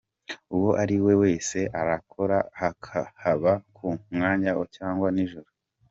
Uwo ari we wese arakora haba ku manywa cyangwa nijoro.